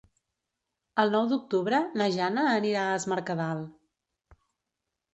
El nou d'octubre na Jana anirà a Es Mercadal.